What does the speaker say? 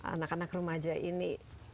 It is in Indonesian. anak anak remaja ini